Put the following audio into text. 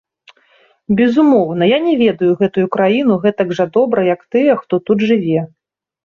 Безумоўна, я не ведаю гэтую краіну гэтак жа добра, як тыя, хто тут жыве.